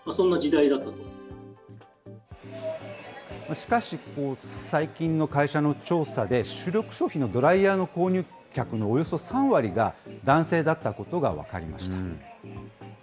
しかし、最近の会社の調査で、主力商品のドライヤーの購入客のおよそ３割が男性だったことが分かりました。